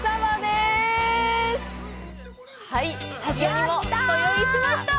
スタジオにもご用意しました。